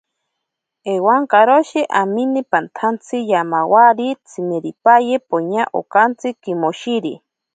Ewankaroshi ami pantsantsi, yamawari tsimiripaye poña akakotsi kimoshiri.